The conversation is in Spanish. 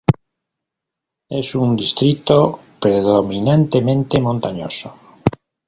Es un distrito predominantemente montañoso.